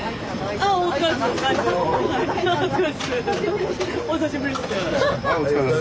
お久しぶりです！